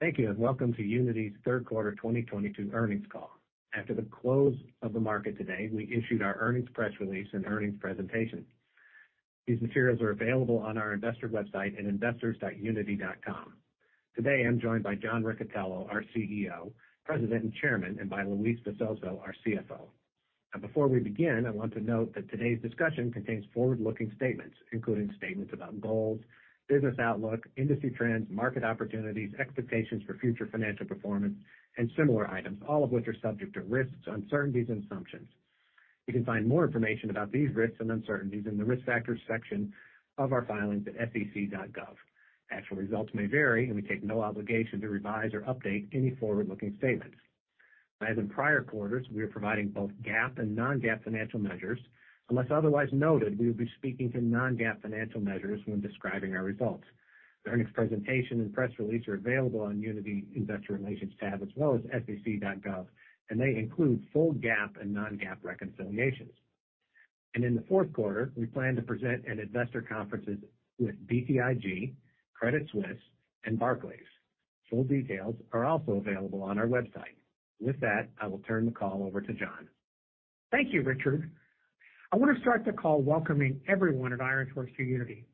Thank you, and welcome to Unity's third quarter 2022 earnings call. After the close of the market today, we issued our earnings press release and earnings presentation. These materials are available on our investor website at investors.unity.com. Today, I am joined by John Riccitiello, our CEO, President, and Chairman, and by Luis Visoso, our CFO. Now, before we begin, I want to note that today's discussion contains forward-looking statements, including statements about goals, business outlook, industry trends, market opportunities, expectations for future financial performance, and similar items, all of which are subject to risks, uncertainties, and assumptions. You can find more information about these risks and uncertainties in the Risk Factors section of our filings at sec.gov. Actual results may vary, and we take no obligation to revise or update any forward-looking statements. As in prior quarters, we are providing both GAAP and non-GAAP financial measures. Unless otherwise noted, we will be speaking to non-GAAP financial measures when describing our results. The earnings presentation and press release are available on Unity Investor Relations tab, as well as SEC.gov, and they include full GAAP and non-GAAP reconciliations. In the fourth quarter, we plan to present at investor conferences with BTIG, Credit Suisse, and Barclays. Full details are also available on our website. With that, I will turn the call over to John. Thank you, Richard. I want to start the call welcoming everyone at ironSource to Unity.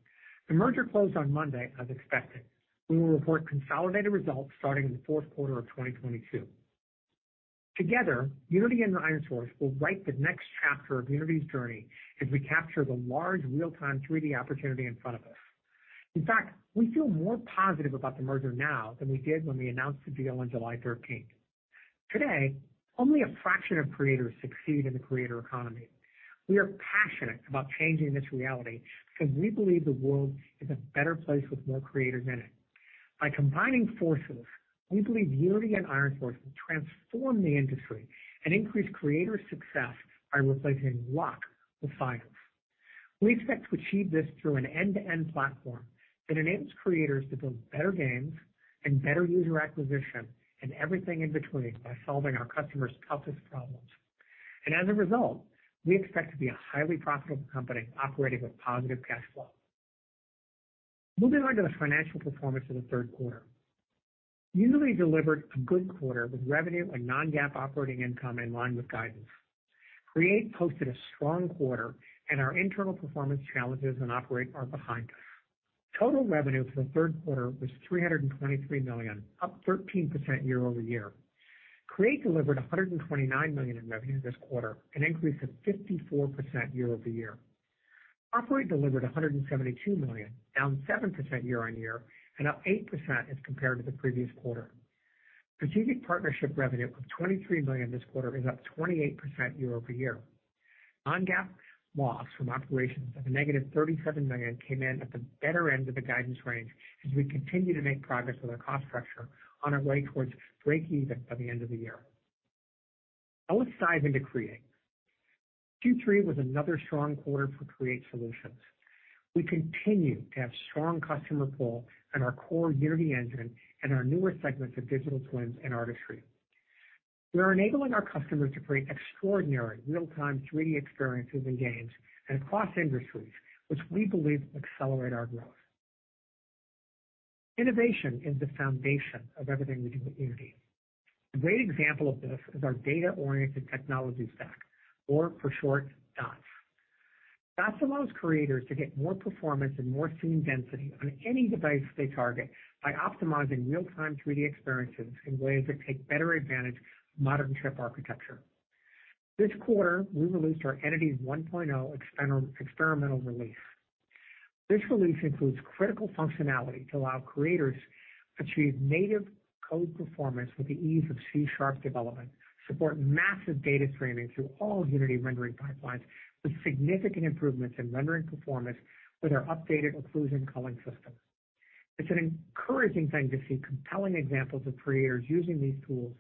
The merger closed on Monday as expected. We will report consolidated results starting in the fourth quarter of 2022. Together, Unity and ironSource will write the next chapter of Unity's journey as we capture the large real-time 3D opportunity in front of us. In fact, we feel more positive about the merger now than we did when we announced the deal on July 13. Today, only a fraction of creators succeed in the creator economy. We are passionate about changing this reality because we believe the world is a better place with more creators in it. By combining forces, we believe Unity and ironSource will transform the industry and increase creator success by replacing luck with science. We expect to achieve this through an end-to-end platform that enables creators to build better games and better user acquisition and everything in between by solving our customers' toughest problems. As a result, we expect to be a highly profitable company operating with positive cash flow. Moving on to the financial performance for the third quarter. Unity delivered a good quarter with revenue and non-GAAP operating income in line with guidance. Create posted a strong quarter and our internal performance challenges in Operate are behind us. Total revenue for the third quarter was $323 million, up 13% year-over-year. Create delivered $129 million in revenue this quarter, an increase of 54% year-over-year. Operate delivered $172 million, down 7% year-over-year and up 8% as compared to the previous quarter. Strategic Partnerships revenue of $23 million this quarter is up 28% year-over-year. Non-GAAP loss from operations of -$37 million came in at the better end of the guidance range as we continue to make progress with our cost structure on our way towards breaking even by the end of the year. Now let's dive into Create. Q3 was another strong quarter for Create Solutions. We continue to have strong customer pull on our core Unity engine and our newer segments of Digital Twins and Artistry. We are enabling our customers to create extraordinary real-time 3D experiences and games and across industries which we believe will accelerate our growth. Innovation is the foundation of everything we do at Unity. A great example of this is our data-oriented technology stack, or for short, DOTS. DOTS allows creators to get more performance and more scene density on any device they target by optimizing real-time 3D experiences in ways that take better advantage of modern chip architecture. This quarter, we released our Entities 1.0 experimental release. This release includes critical functionality to allow creators achieve native code performance with the ease of C# development, support massive data streaming through all Unity rendering pipelines with significant improvements in rendering performance with our updated occlusion culling system. It's an encouraging thing to see compelling examples of creators using these tools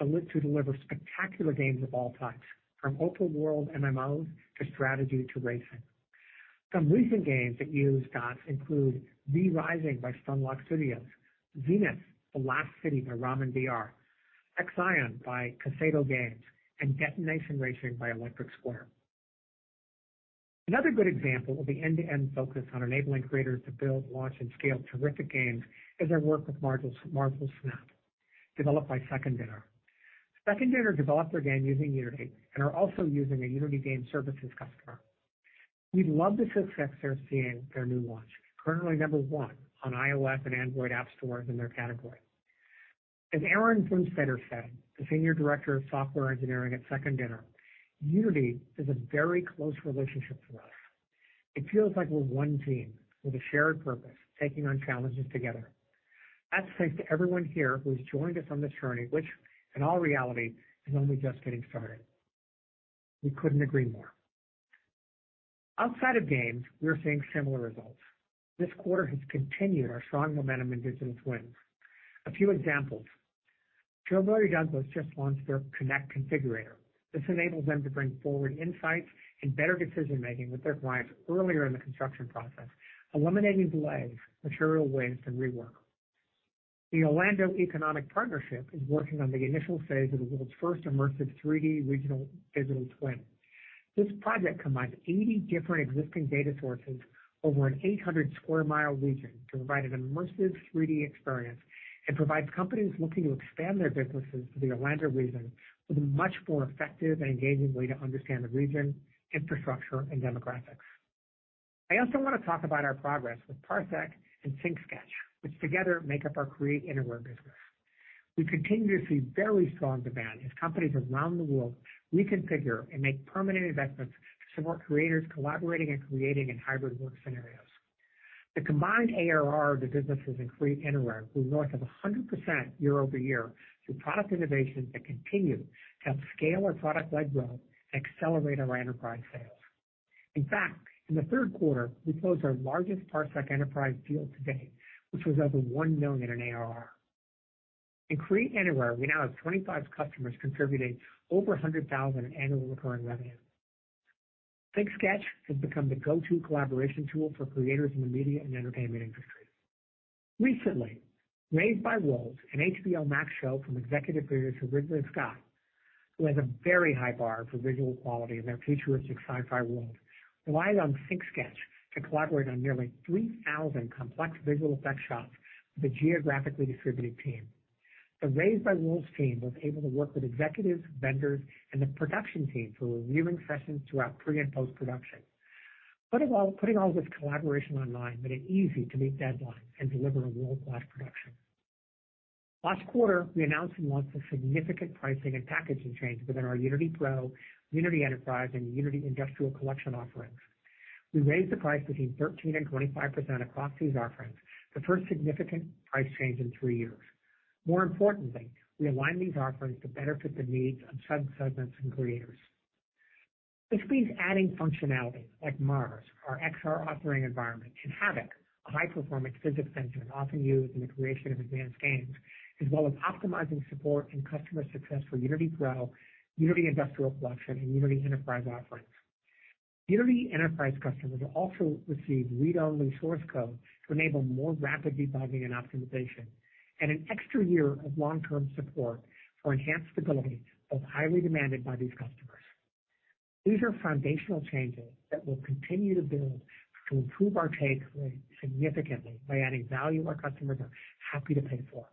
to deliver spectacular games of all types, from open world MMOs to strategy to racing. Some recent games that use DOTS include V Rising by Stunlock Studios, Zenith: The Last City by Ramen VR, IXION by Kasedo Games, and Detonation Racing by Electric Square. Another good example of the end-to-end focus on enabling creators to build, launch, and scale terrific games is our work with Marvel Snap, developed by Second Dinner. Second Dinner developed their game using Unity and are also a Unity Gaming Services customer. We love the success they're seeing with their new launch, currently number one on iOS and Android app stores in their category. As Aaron Brunstetter, the Senior Director of Software Engineering at Second Dinner, said, "Unity is a very close relationship to us. It feels like we're one team with a shared purpose, taking on challenges together. That's thanks to everyone here who has joined us on this journey which, in all reality, is only just getting started." We couldn't agree more. Outside of games, we are seeing similar results. This quarter has continued our strong momentum in Digital Twins. A few examples. Tilbury Douglas just launched their Connect Configurator. This enables them to bring forward insights and better decision-making with their clients earlier in the construction process, eliminating delays, material waste, and rework. The Orlando Economic Partnership is working on the initial phase of the world's first immersive 3D regional Digital Twin. This project combines 80 different existing data sources over an 800-square-mile region to provide an immersive 3D experience and provides companies looking to expand their businesses to the Orlando region with a much more effective and engaging way to understand the region, infrastructure, and demographics. I also want to talk about our progress with Parsec and SyncSketch, which together make up our Create Anywhere business. We continue to see very strong demand as companies around the world reconfigure and make permanent investments to support creators collaborating and creating in hybrid work scenarios. The combined ARR of the businesses in Create Anywhere grew north of 100% year-over-year through product innovation that continue to scale our product-led growth and accelerate our enterprise sales. In fact, in the third quarter, we closed our largest Parsec enterprise deal to date, which was over $1 million in ARR. In Create Anywhere, we now have 25 customers contributing over $100,000 in annual recurring revenue. SyncSketch has become the go-to collaboration tool for creators in the media and entertainment industry. Recently, Raised by Wolves, an HBO Max show from executive producers of Ridley Scott, who has a very high bar for visual quality in their futuristic sci-fi world, relied on SyncSketch to collaborate on nearly 3,000 complex visual effects shots with a geographically distributed team. The Raised by Wolves team was able to work with executives, vendors, and the production team for reviewing sessions throughout pre and post-production. Putting all this collaboration online made it easy to meet deadlines and deliver a world-class production. Last quarter, we announced and launched some significant pricing and packaging changes within our Unity Pro, Unity Enterprise, and Unity Industrial Collection offerings. We raised the price between 13% and 25% across these offerings, the first significant price change in three years. More importantly, we aligned these offerings to better fit the needs of sub-segments and creators. This means adding functionality like MARS, our XR authoring environment, and Havok, a high-performance physics engine often used in the creation of advanced games, as well as optimizing support and customer success for Unity Pro, Unity Industrial Collection, and Unity Enterprise offerings. Unity Enterprise customers will also receive read-only source code to enable more rapid debugging and optimization, and an extra year of long-term support for enhanced stability, both highly demanded by these customers. These are foundational changes that we'll continue to build to improve our take rate significantly by adding value our customers are happy to pay for.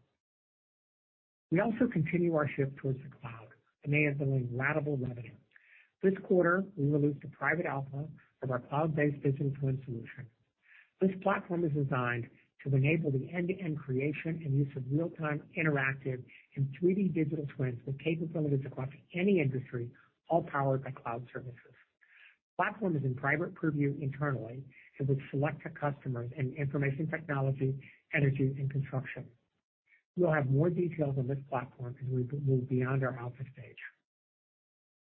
We also continue our shift towards the cloud, enabling ratable revenue. This quarter, we released a private alpha of our cloud-based Digital Twin solution. This platform is designed to enable the end-to-end creation and use of real-time interactive and 3D Digital Twins with capabilities across any industry, all powered by cloud services. The platform is in private preview internally and with selected customers in information technology, energy, and construction. We will have more details on this platform as we move beyond our alpha stage.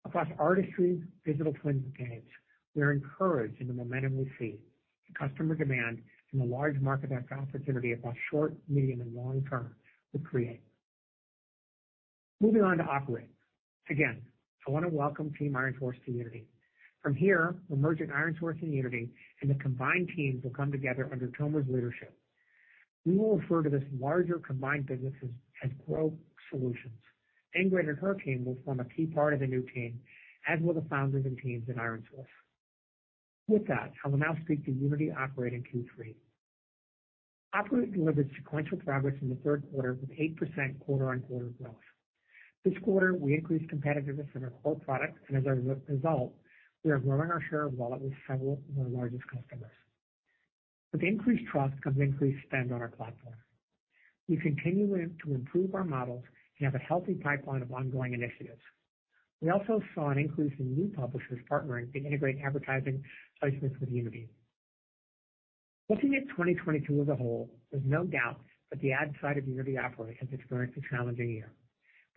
Across Artistry, Digital Twins games, we are encouraged in the momentum we see, the customer demand, and the large market opportunity across short, medium, and long term with Create. Moving on to Operate. Again, I want to welcome team ironSource to Unity. From here, we're merging ironSource and Unity, and the combined teams will come together under Tomer's leadership. We will refer to this larger combined businesses as Grow Solutions. Ingrid and her team will form a key part of the new team, as will the founders and teams in ironSource. With that, I will now speak to Unity Operate in Q3. Operate delivered sequential progress in the third quarter with 8% quarter-on-quarter growth. This quarter, we increased competitiveness in our core products, and as a result, we are growing our share of wallet with several of our largest customers. With increased trust comes increased spend on our platform. We continue to aim to improve our models and have a healthy pipeline of ongoing initiatives. We also saw an increase in new publishers partnering to integrate advertising placements with Unity. Looking at 2022 as a whole, there's no doubt that the ad side of Unity Operate has experienced a challenging year.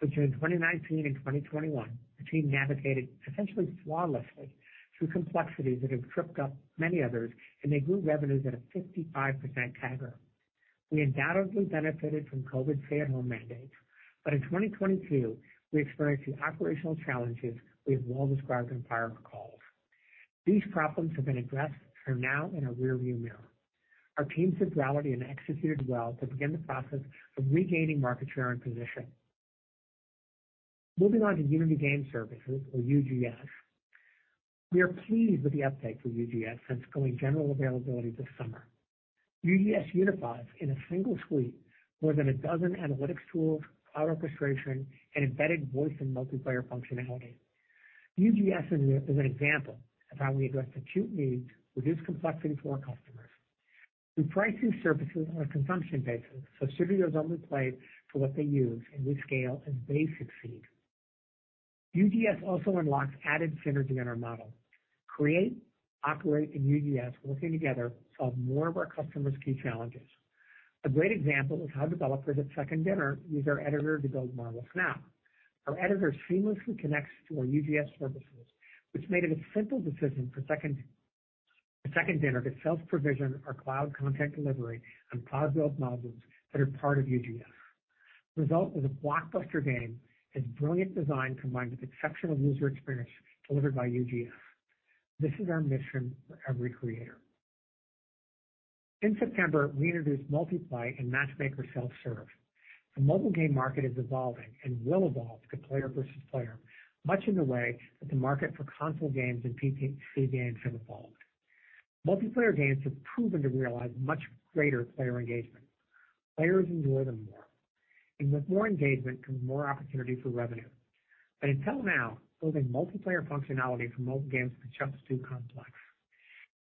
Between 2019 and 2021, the team navigated essentially flawlessly through complexities that have tripped up many others, and they grew revenues at a 55% CAGR. We undoubtedly benefited from COVID stay-at-home mandates, but in 2022, we experienced the operational challenges we have well described in prior calls. These problems have been addressed and are now in our rearview mirror. Our team stability and executed well to begin the process of regaining market share and position. Moving on to Unity Gaming Services or UGS. We are pleased with the uptake for UGS since going general availability this summer. UGS unifies in a single suite more than a dozen analytics tools, cloud orchestration, and embedded voice and multiplayer functionality. UGS is an example of how we address acute needs, reduce complexity for our customers. We price these services on a consumption basis, so studios only play for what they use, and we scale as they succeed. UGS also unlocks added synergy in our model. Create, Operate, and UGS working together solve more of our customers' key challenges. A great example is how developers at Second Dinner use our editor to build Marvel Snap. Our editor seamlessly connects to our UGS services, which made it a simple decision for Second Dinner to self-provision our cloud content delivery and cloud-built modules that are part of UGS. The result is a blockbuster game, its brilliant design combined with exceptional user experience delivered by UGS. This is our mission for every creator. In September, we introduced Multiplay and Matchmaker self-serve. The mobile game market is evolving and will evolve to player versus player, much in the way that the market for console games and PC games have evolved. Multiplayer games have proven to realize much greater player engagement. Players enjoy them more. With more engagement comes more opportunity for revenue. Until now, building multiplayer functionality for mobile games was just too complex.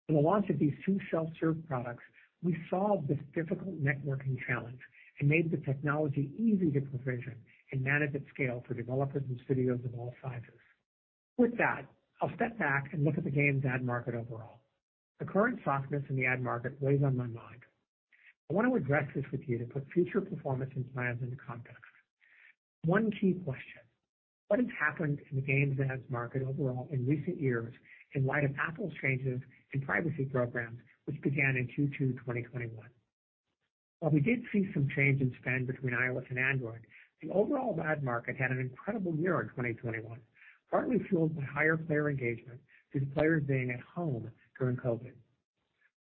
With the launch of these two self-serve products, we solved this difficult networking challenge and made the technology easy to provision and manage at scale for developers and studios of all sizes. With that, I'll step back and look at the games ad market overall. The current softness in the ad market weighs on my mind. I want to address this with you to put future performance and plans into context. One key question: What has happened in the games ads market overall in recent years in light of Apple's changes in privacy programs, which began in 2021? While we did see some change in spend between iOS and Android, the overall ad market had an incredible year in 2021, partly fueled by higher player engagement due to players being at home during COVID.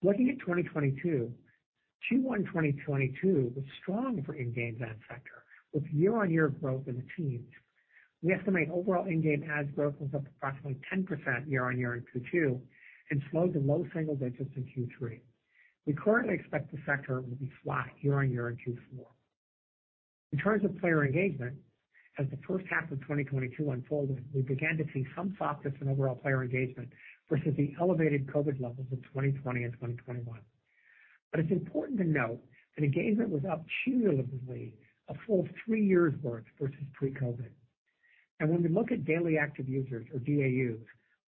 Looking at 2022, Q1 2022 was strong for in-game ad sector, with year-on-year growth in the teens. We estimate overall in-game ads growth was up approximately 10% year-on-year in Q2 and slowed to low single digits in Q3. We currently expect the sector will be flat year-on-year in Q4. In terms of player engagement, as the first half of 2022 unfolded, we began to see some softness in overall player engagement versus the elevated COVID levels of 2020 and 2021. It's important to note that engagement was up cumulatively a full three years' worth versus pre-COVID. When we look at daily active users or DAUs,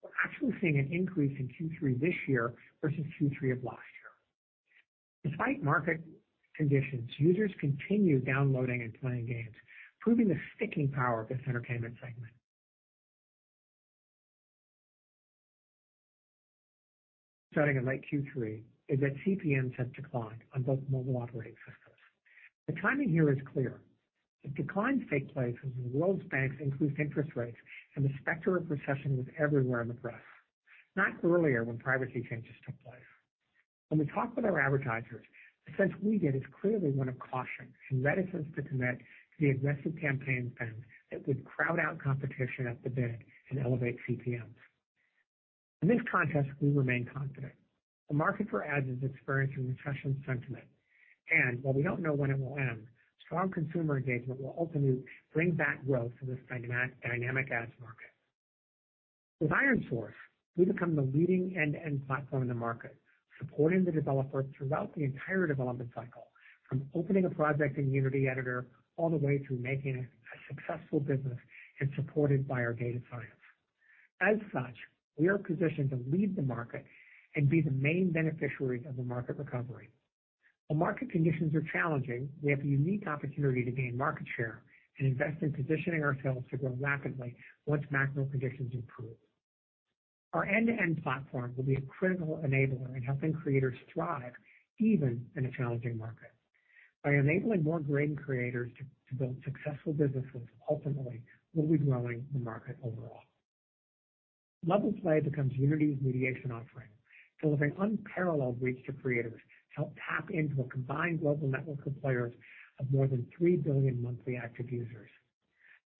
we're actually seeing an increase in Q3 this year versus Q3 of last year. Despite market conditions, users continue downloading and playing games, proving the sticking power of this entertainment segment. Starting in late Q3 is that CPMs have declined on both mobile operating systems. The timing here is clear. The declines take place as the world's banks increase interest rates and the specter of recession was everywhere in the press, not earlier when privacy changes took place. When we talk with our advertisers, the sense we get is clearly one of caution and reticence to commit to the aggressive campaign spend that would crowd out competition at the bid and elevate CPMs. In this context, we remain confident. The market for ads is experiencing recession sentiment, and while we don't know when it will end, strong consumer engagement will ultimately bring back growth to this dynamic ads market. With ironSource, we become the leading end-to-end platform in the market, supporting the developer throughout the entire development cycle, from opening a project in Unity Editor all the way through making a successful business and supported by our data science. As such, we are positioned to lead the market and be the main beneficiary of the market recovery. The market conditions are challenging. We have a unique opportunity to gain market share and invest in positioning ourselves to grow rapidly once macro conditions improve. Our end-to-end platform will be a critical enabler in helping creators thrive even in a challenging market. By enabling more growing creators to build successful businesses, ultimately, we'll be growing the market overall. LevelPlay becomes Unity's mediation offering, delivering unparalleled reach to creators to help tap into a combined global network of players of more than three billion monthly active users.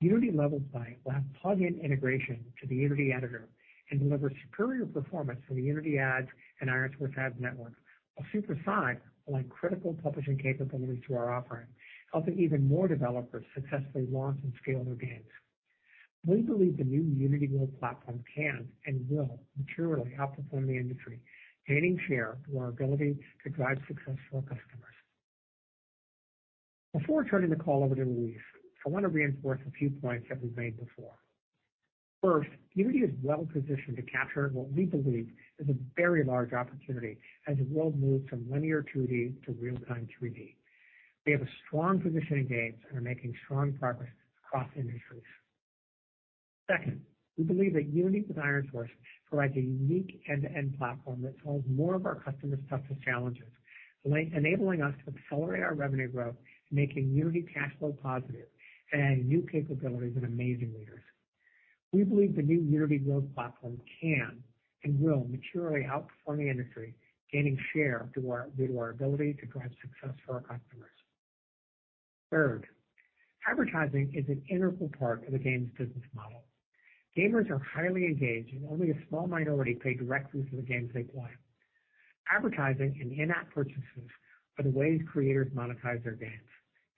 Unity LevelPlay will have plug-in integration to the Unity Editor and deliver superior performance for the Unity Ads and ironSource ads network, while Supersonic will add critical publishing capabilities to our offering, helping even more developers successfully launch and scale their games. We believe the new Unity growth platform can and will materially outperform the industry, gaining share through our ability to drive success for our customers. Before turning the call over to Luis, I want to reinforce a few points that we've made before. First, Unity is well-positioned to capture what we believe is a very large opportunity as the world moves from linear to 2D to real-time 3D. We have a strong position in games and are making strong progress across industries. Second, we believe that Unity with ironSource provides a unique end-to-end platform that solves more of our customers' toughest challenges, enabling us to accelerate our revenue growth, making Unity cash flow positive and adding new capabilities and amazing leaders. We believe the new Unity growth platform can and will materially outperform the industry, gaining share due to our ability to drive success for our customers. Third, advertising is an integral part of a game's business model. Gamers are highly engaged, and only a small minority pay directly for the games they play. Advertising and in-app purchases are the ways creators monetize their games,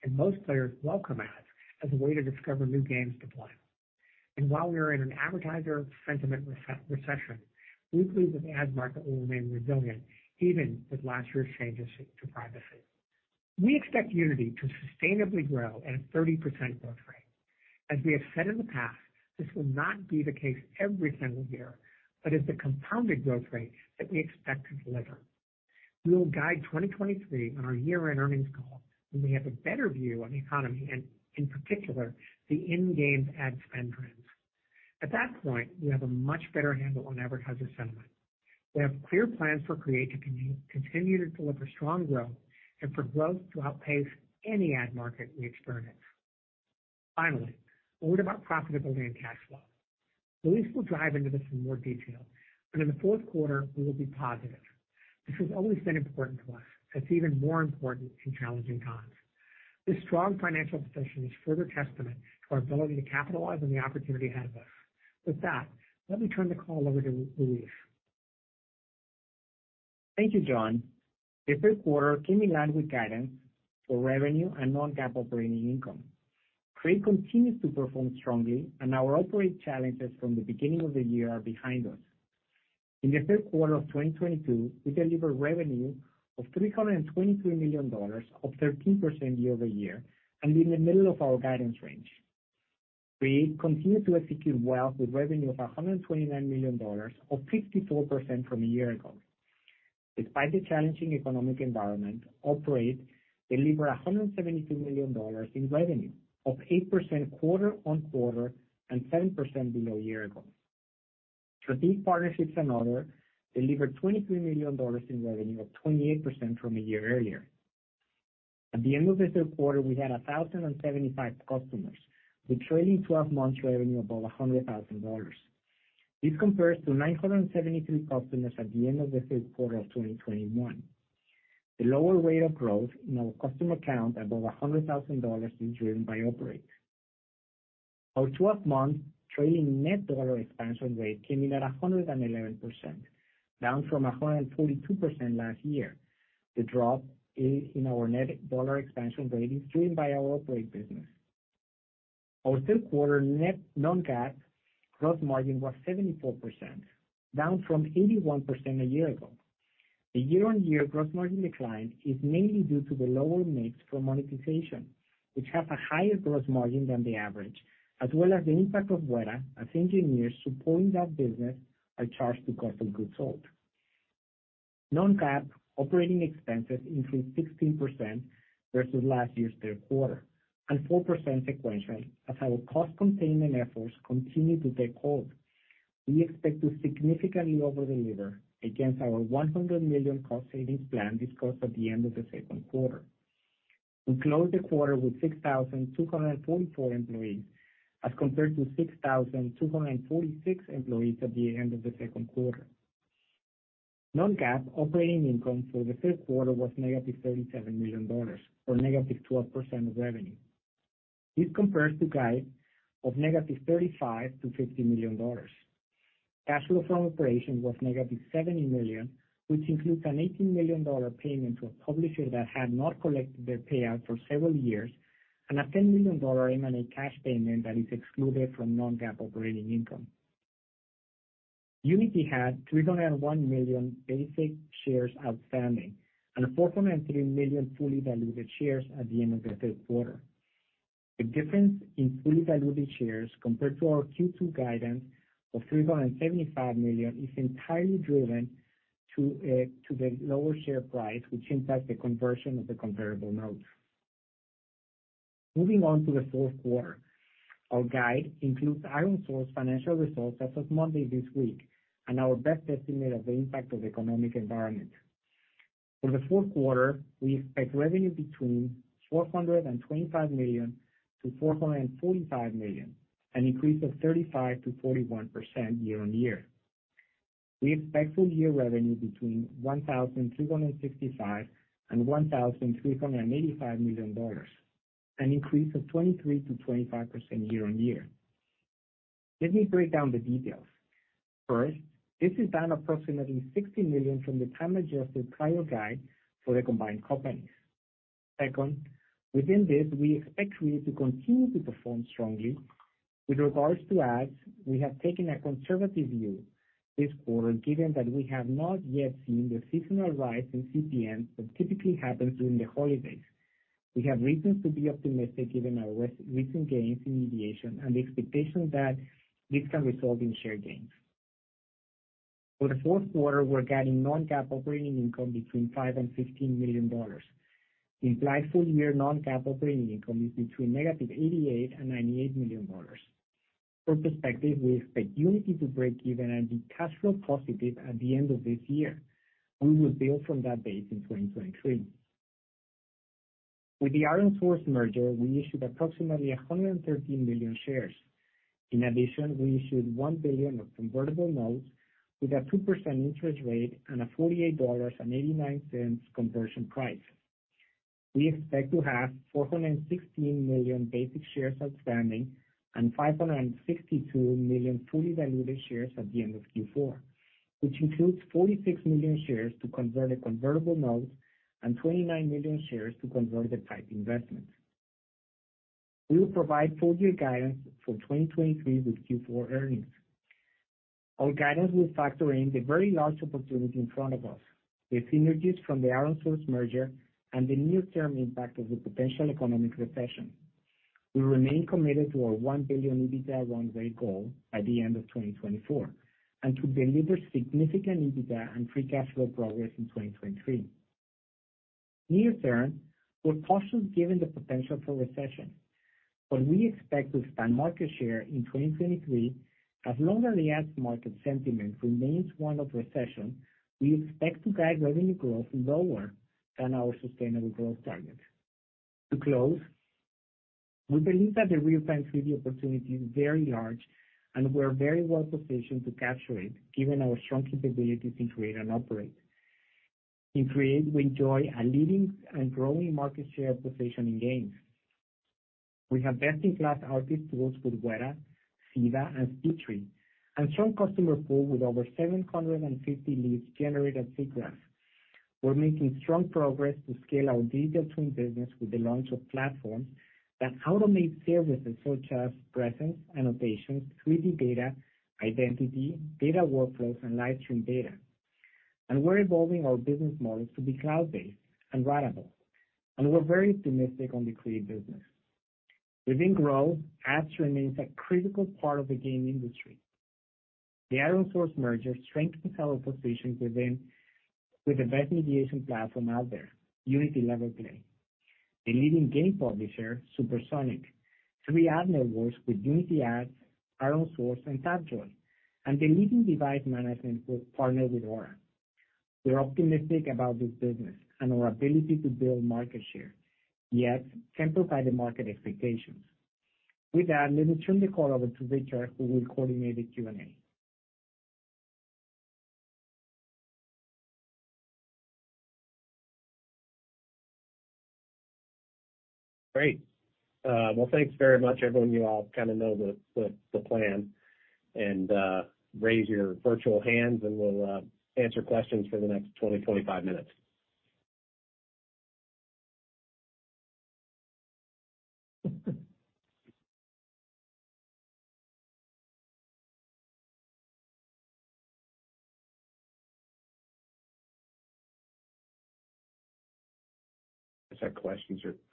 and most players welcome ads as a way to discover new games to play. While we are in an advertiser sentiment recession, we believe the ad market will remain resilient even with last year's changes to privacy. We expect Unity to sustainably grow at a 30% growth rate. As we have said in the past, this will not be the case every single year, but is the compounded growth rate that we expect to deliver. We will guide 2023 on our year-end earnings call when we have a better view on the economy and in particular, the in-game ad spend trends. At that point, we have a much better handle on advertiser sentiment. We have clear plans for Create to continue to deliver strong growth and for growth to outpace any ad market we experience. Finally, what about profitability and cash flow? Luis will dive into this in more detail, but in the fourth quarter, we will be positive. This has always been important to us. It's even more important in challenging times. This strong financial position is further testament to our ability to capitalize on the opportunity ahead of us. With that, let me turn the call over to Luis. Thank you, John. The third quarter came in line with guidance for revenue and non-GAAP operating income. Create continues to perform strongly and our Operate challenges from the beginning of the year are behind us. In the third quarter of 2022, we delivered revenue of $323 million, up 13% year-over-year, and in the middle of our guidance range. Create continued to execute well with revenue of $129 million, up 54% from a year ago. Despite the challenging economic environment, Operate delivered $172 million in revenue, up 8% quarter-over-quarter and 10% below a year ago. Strategic Partnerships and Other delivered $23 million in revenue, up 28% from a year earlier. At the end of the third quarter, we had 1,075 customers with trailing twelve months revenue above $100,000. This compares to 973 customers at the end of the third quarter of 2021. The lower rate of growth in our customer count above $100,000 is driven by Operate. Our 12-month trailing net dollar expansion rate came in at 111%, down from 142% last year. The drop in our net dollar expansion rate is driven by our Operate business. Our third quarter net non-GAAP gross margin was 74%, down from 81% a year ago. The year-on-year gross margin decline is mainly due to the lower mix from Monetization, which has a higher gross margin than the average, as well as the impact of Wētā as engineers supporting that business are charged to cost of goods sold. Non-GAAP operating expenses increased 16% versus last year's third quarter and 4% sequentially as our cost containment efforts continued to take hold. We expect to significantly over-deliver against our $100 million cost savings plan discussed at the end of the second quarter. We closed the quarter with 6,244 employees as compared to 6,246 employees at the end of the second quarter. Non-GAAP operating income for the third quarter was negative $37 million or negative 12% of revenue. This compares to guide of negative $35 million-$50 million. Cash flow from operations was negative $70 million, which includes an $18 million payment to a publisher that had not collected their payout for several years and a $10 million M&A cash payment that is excluded from non-GAAP operating income. Unity had 301 million basic shares outstanding and 4.3 million fully diluted shares at the end of the third quarter. The difference in fully diluted shares compared to our Q2 guidance of 375 million is entirely driven to the lower share price which impacts the conversion of the convertible notes. Moving on to the fourth quarter. Our guide includes ironSource financial results as of Monday this week, and our best estimate of the impact of the economic environment. For the fourth quarter, we expect revenue between $425 million and $445 million, an increase of 35%-41% year-over-year. We expect full year revenue between $1,365 million and $1,385 million, an increase of 23%-25% year-over-year. Let me break down the details. First, this is down approximately $60 million from the time adjusted prior guide for the combined companies. Second, within this, we expect Create to continue to perform strongly. With regards to ads, we have taken a conservative view this quarter, given that we have not yet seen the seasonal rise in CPM that typically happens during the holidays. We have reasons to be optimistic given our recent gains in mediation and the expectation that this can result in share gains. For the fourth quarter, we're guiding non-GAAP operating income between $5 million and $15 million. Implied full year non-GAAP operating income is between -$88 million and -$98 million. For perspective, we expect Unity to break even and be cash flow positive at the end of this year. We will build from that base in 2023. With the ironSource merger, we issued approximately 113 million shares. In addition, we issued $1 billion of convertible notes with a 2% interest rate and a $48.89 conversion price. We expect to have 416 million basic shares outstanding and 562 million fully diluted shares at the end of Q4, which includes 46 million shares to convert the convertible notes and 29 million shares to convert the PIPE investments. We will provide full year guidance for 2023 with Q4 earnings. Our guidance will factor in the very large opportunity in front of us, the synergies from the ironSource merger, and the near-term impact of the potential economic recession. We remain committed to our $1 billion EBITDA runway goal by the end of 2024, and to deliver significant EBITDA and free cash flow progress in 2023. Near term, we're cautious given the potential for recession. While we expect to expand market share in 2023, as long as the ads market sentiment remains one of recession, we expect to guide revenue growth lower than our sustainable growth target. To close. We believe that the real-time 3D opportunity is very large, and we're very well positioned to capture it given our strong capabilities in Create and Operate. In Create, we enjoy a leading and growing market share position in games. We have best-in-class artist tools with Wētā, Ziva, and SpeedTree, and strong customer pool with over 750 leads generated at SIGGRAPH. We're making strong progress to scale our Digital Twin business with the launch of platforms that automate services such as presence, annotations, 3D data, identity, data workflows, and live stream data. We're evolving our business models to be cloud-based and ratable, and we're very optimistic on the Create business. Within Grow, ads remains a critical part of the game industry. The ironSource merger strengthens our position within it with the best mediation platform out there, Unity LevelPlay. The leading game publisher, Supersonic, three ad networks with Unity Ads, ironSource, and Tapjoy, and the leading device management partner with Aura. We're optimistic about this business and our ability to build market share and simplify the market expectations. With that, let me turn the call over to Richard, who will coordinate the Q&A. Great. Well, thanks very much everyone. You all kind of know the plan and raise your virtual hands, and we'll answer questions for the next 25 minutes.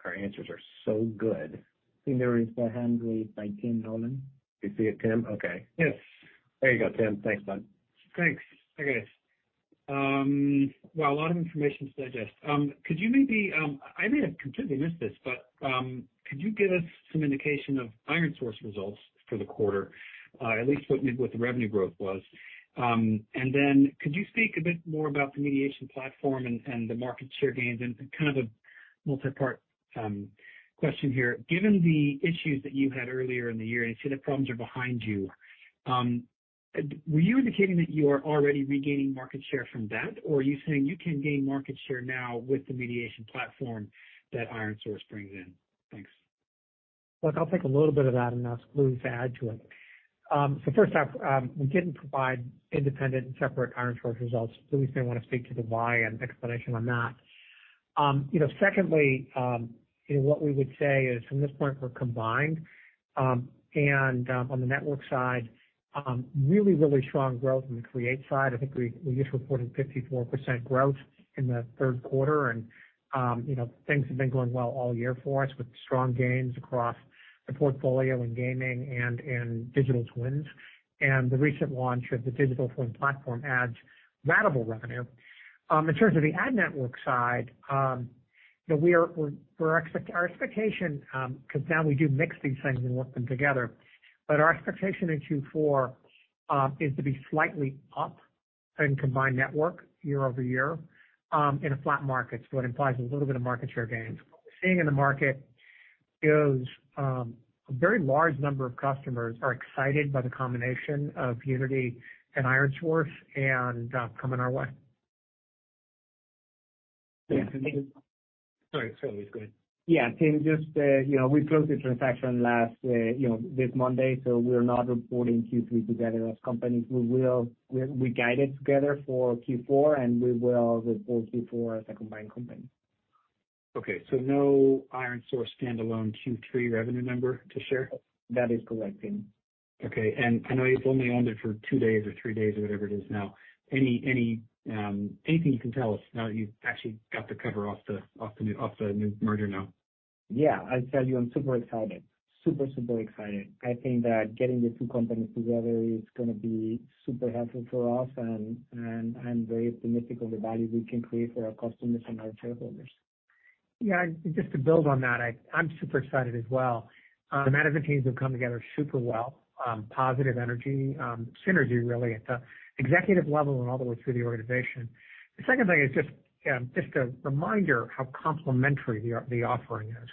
Our answers are so good. I think there is a hand raised by Tim Nollen. You see it, Tim? Okay. Yes. There you go, Tim. Thanks, bud. Thanks. Hi, guys. Wow, a lot of information to digest. Could you maybe, I may have completely missed this, but could you give us some indication of ironSource results for the quarter, at least what the revenue growth was? And then could you speak a bit more about the mediation platform and the market share gains and kind of a multi-part question here. Given the issues that you had earlier in the year, and I see the problems are behind you, were you indicating that you are already regaining market share from that? Or are you saying you can gain market share now with the mediation platform that ironSource brings in? Thanks. Look, I'll take a little bit of that, and I'll ask Luis to add to it. So first off, we didn't provide independent and separate ironSource results. Luis may wanna speak to the why and explanation on that. You know, secondly, you know, what we would say is from this point we're combined, and on the network side, really strong growth in the Create side. I think we just reported 54% growth in the third quarter and, you know, things have been going well all year for us with strong gains across the portfolio in gaming and in Digital Twins. The recent launch of the Digital Twin platform adds ratable revenue. In terms of the ad network side, you know, our expectation, 'cause now we do mix these things and work them together, but our expectation in Q4 is to be slightly up in combined network year-over-year, in a flat market. It implies a little bit of market share gains. What we're seeing in the market is, a very large number of customers are excited by the combination of Unity and ironSource and coming our way. Thanks. Luis? Sorry, Luis. Go ahead. Yeah, Tim, just, you know, we closed the transaction last, you know, this Monday, so we're not reporting Q3 together as companies. We guided together for Q4, and we will report Q4 as a combined company. Okay. No ironSource standalone Q3 revenue number to share? That is correct, Tim. Okay. I know you've only owned it for two days or three days or whatever it is now. Anything you can tell us now that you've actually got the cover off the new merger now? Yeah. I'll tell you, I'm super excited. Super excited. I think that getting the two companies together is gonna be super helpful for us and I'm very optimistic of the value we can create for our customers and our shareholders. Yeah. Just to build on that, I'm super excited as well. The management teams have come together super well, positive energy, synergy really at the executive level and all the way through the organization. The second thing is just a reminder how complementary the offering is.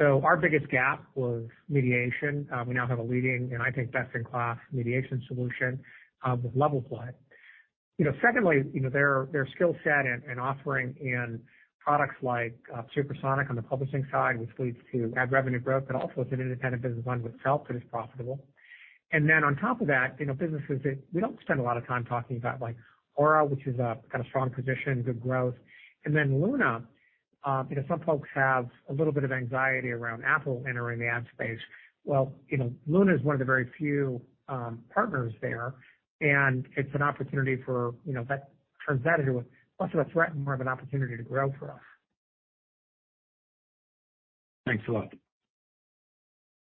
Our biggest gap was mediation. We now have a leading and I think best in class mediation solution with LevelPlay. You know, secondly, you know, their skill set and offering in products like Supersonic on the publishing side, which leads to ad revenue growth, but also it's an independent business line itself that is profitable. Then on top of that, you know, businesses that we don't spend a lot of time talking about, like Aura, which is a kind of strong position, good growth. Luna, you know, some folks have a little bit of anxiety around Apple entering the ad space. Well, you know, Luna is one of the very few partners there, and it's an opportunity for, you know, that turns that into less of a threat and more of an opportunity to grow for us. Thanks a lot.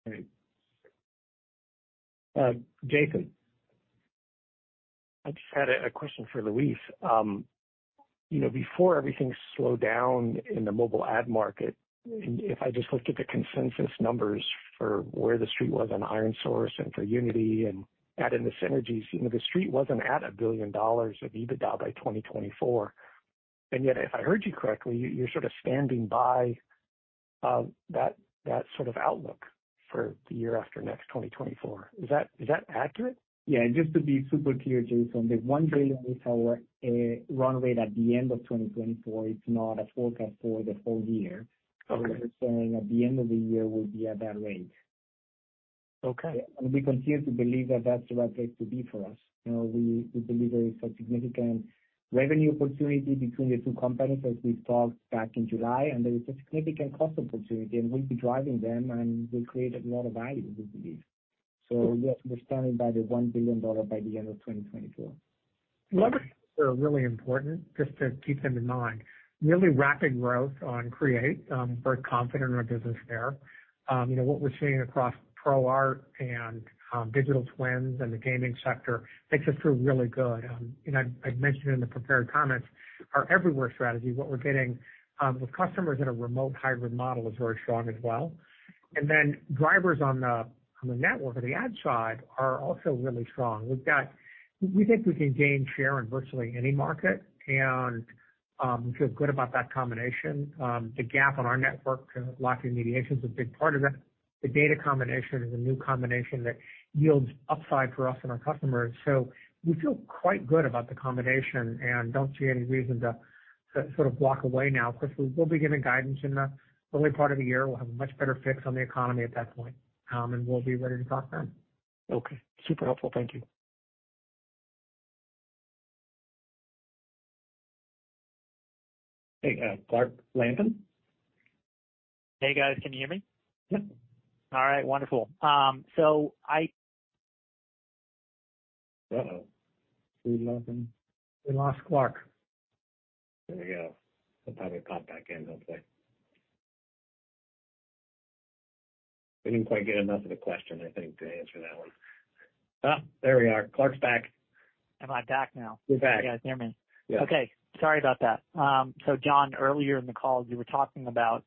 Great. Jason. I just had a question for Luis. You know, before everything slowed down in the mobile ad market, and if I just looked at the consensus numbers for where the Street was on ironSource and for Unity and adding the synergies, you know, the Street wasn't at $1 billion of EBITDA by 2024. Yet, if I heard you correctly, you're sort of standing by that sort of outlook for the year after next, 2024. Is that accurate? Yeah. Just to be super clear, Jason, the $1 billion is our run rate at the end of 2024. It's not a forecast for the whole year. We're saying at the end of the year we'll be at that rate. We continue to believe that that's the right place to be for us. You know, we believe there is a significant revenue opportunity between the two companies as we've talked back in July, and there is a significant cost opportunity, and we'll be driving them, and we'll create a lot of value, we believe. Yes, we're standing by the $1 billion by the end of 2024. The other things that are really important, just to keep them in mind, really rapid growth on Create, very confident in our business there. You know, what we're seeing across Pro AR and Digital Twins and the gaming sector takes us through really good. You know, I'd mentioned in the prepared comments our Everywhere strategy, what we're getting with customers in a remote hybrid model is very strong as well. Then drivers on the network or the ad side are also really strong. We think we can gain share in virtually any market, and we feel good about that combination. The gap on our network, lack of mediation is a big part of that. The data combination is a new combination that yields upside for us and our customers. We feel quite good about the combination and don't see any reason to sort of walk away now. Of course, we will be giving guidance in the early part of the year. We'll have a much better fix on the economy at that point, and we'll be ready to talk then. Okay. Super helpful. Thank you. Hey, Clark Lampen. Hey, guys. Can you hear me? Yep. All right, wonderful. We've lost him. We lost Clark. There we go. He'll probably pop back in hopefully. We didn't quite get enough of the question, I think, to answer that one. There we are. Clark's back. Am I back now? You're back. You guys hear me? Yes. Okay. Sorry about that. So John, earlier in the call you were talking about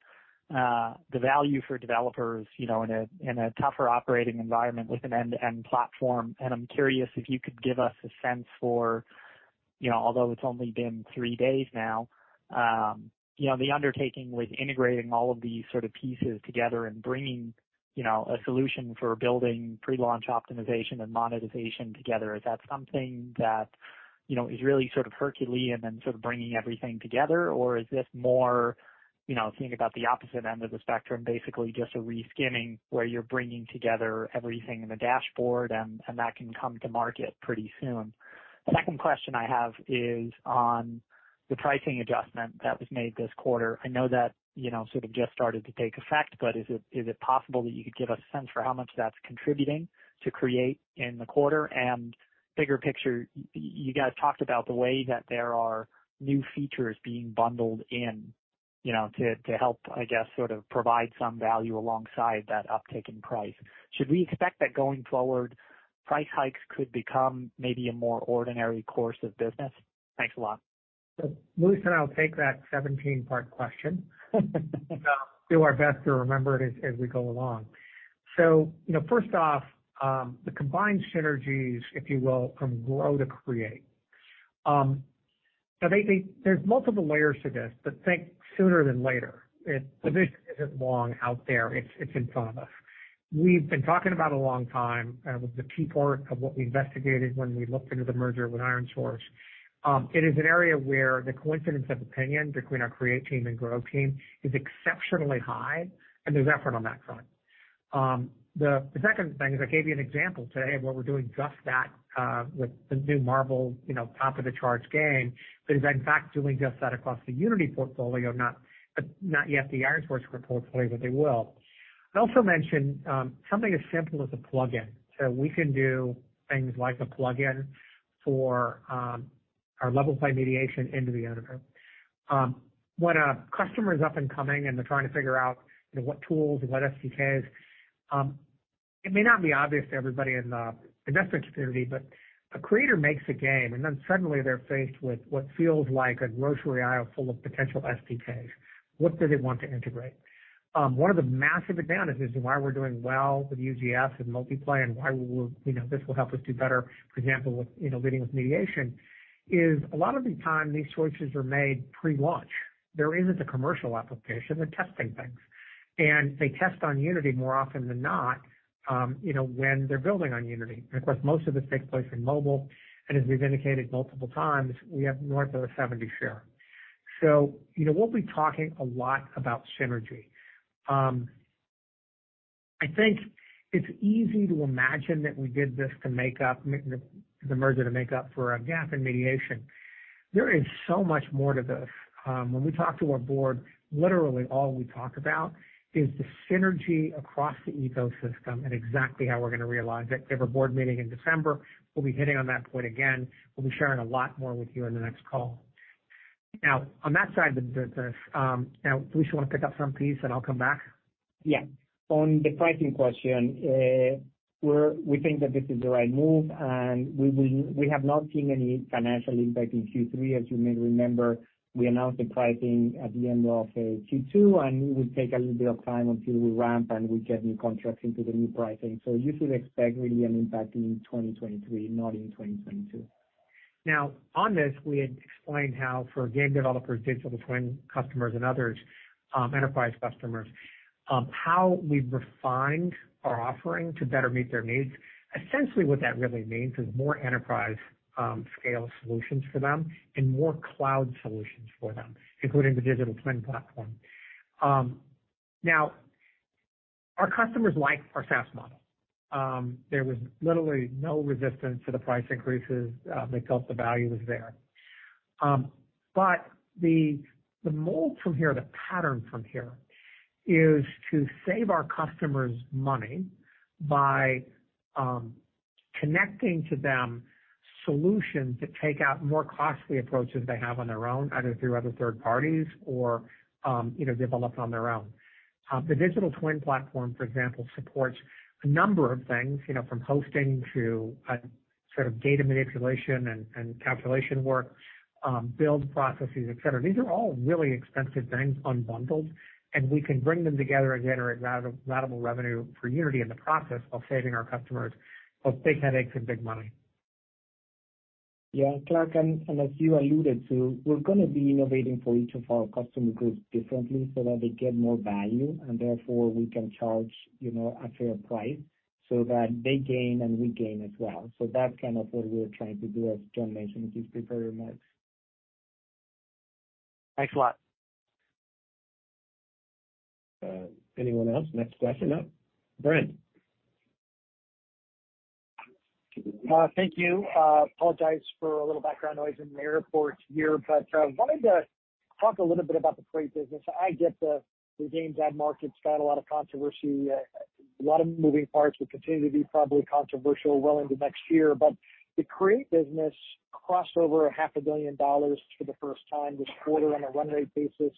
the value for developers, you know, in a tougher operating environment with an end-to-end platform. I'm curious if you could give us a sense for, you know, although it's only been three days now, you know, the undertaking with integrating all of these sort of pieces together and bringing, you know, a solution for building pre-launch optimization and monetization together. Is that something that, you know, is really sort of herculean and sort of bringing everything together? Or is this more, you know, thinking about the opposite end of the spectrum, basically just a reskinning where you're bringing together everything in the dashboard and that can come to market pretty soon? The second question I have is on the pricing adjustment that was made this quarter. I know that, you know, sort of just started to take effect, but is it possible that you could give a sense for how much that's contributing to Create in the quarter? Bigger picture, you guys talked about the way that there are new features being bundled in, you know, to help, I guess, sort of provide some value alongside that uptick in price. Should we expect that going forward, price hikes could become maybe a more ordinary course of business? Thanks a lot. Luis and I will take that 17-part question. We'll do our best to remember it as we go along. You know, first off, the combined synergies, if you will, from Grow to Create. There's multiple layers to this, but think sooner than later. The vision isn't long out there. It's in front of us. We've been talking about a long time with the key part of what we investigated when we looked into the merger with ironSource. It is an area where the coincidence of opinion between our Create team and Grow team is exceptionally high, and there's effort on that front. The second thing is I gave you an example today of where we're doing just that with the new Marvel, you know, top-of-the-charts game. In fact, doing just that across the Unity portfolio, not yet the ironSource portfolio, but they will. I also mentioned something as simple as a plugin. We can do things like a plugin for our LevelPlay mediation into the editor. When a customer is up and coming and they're trying to figure out, you know, what tools and what SDKs, it may not be obvious to everybody in the investment community, but a creator makes a game, and then suddenly they're faced with what feels like a grocery aisle full of potential SDKs. What do they want to integrate? One of the massive advantages and why we're doing well with UGS and Multiplay and why we'll, you know, this will help us do better, for example, with, you know, leading with mediation, is a lot of the time these choices are made pre-launch. There isn't a commercial application. They're testing things. They test on Unity more often than not, you know, when they're building on Unity. Of course, most of this takes place in mobile. As we've indicated multiple times, we have north of a 70% share. You know, we'll be talking a lot about synergy. I think it's easy to imagine that we did the merger to make up for a gap in mediation. There is so much more to this. When we talk to our board, literally all we talk about is the synergy across the ecosystem and exactly how we're gonna realize it. We have a board meeting in December. We'll be hitting on that point again. We'll be sharing a lot more with you in the next call. Now, on that side of the business, now, Luis, you wanna pick up some piece and I'll come back? Yeah. On the pricing question, we think that this is the right move, and we have not seen any financial impact in Q3. As you may remember, we announced the pricing at the end of Q2, and it will take a little bit of time until we ramp and we get new contracts into the new pricing. You should expect really an impact in 2023, not in 2022. Now on this, we had explained how for game developers, Digital Twin customers and others, enterprise customers, how we've refined our offering to better meet their needs. Essentially, what that really means is more enterprise scale solutions for them and more cloud solutions for them, including the Digital Twin platform. Now our customers like our SaaS model. There was literally no resistance to the price increases. They felt the value was there. But the model from here, the pattern from here is to save our customers money by connecting them to solutions that take out more costly approaches they have on their own, either through other third parties or, you know, developed on their own. The Digital Twin platform, for example, supports a number of things, you know, from hosting to a sort of data manipulation and calculation work, build processes, et cetera. These are all really expensive things unbundled, and we can bring them together again or addable revenue for Unity in the process of saving our customers from big headaches and big money. Yeah, Clark, and as you alluded to, we're gonna be innovating for each of our customer groups differently so that they get more value and therefore we can charge, you know, a fair price so that they gain and we gain as well. That's kind of what we're trying to do, as John mentioned in his prepared remarks. Thanks a lot. Anyone else? Next question up, Brent. Thank you. Apologize for a little background noise in the airport here, but wanted to talk a little bit about the Create business. I get the game dev market's got a lot of controversy, a lot of moving parts that continue to be probably controversial well into next year. The Create business crossed over $500,000,000 for the first time this quarter on a run rate basis,